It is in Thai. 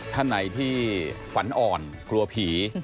ท่านไหนที่ฝันอ่อนกลัวผี